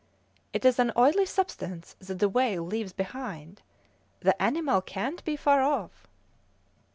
"It is an oily substance that the whale leaves behind. The animal can't be far off!"